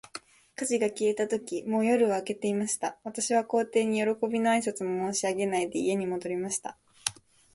火事が消えたとき、もう夜は明けていました。私は皇帝に、よろこびの挨拶も申し上げないで、家に戻りました。